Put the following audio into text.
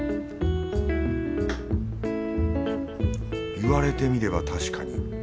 言われてみれば確かに。